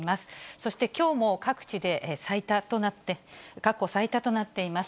そして、きょうも各地で最多となって、過去最多となっています。